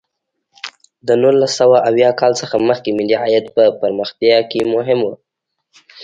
د نولس سوه اویا کال څخه مخکې ملي عاید په پرمختیا کې مهم و.